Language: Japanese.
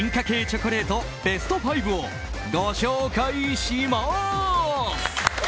チョコレートベスト５をご紹介します！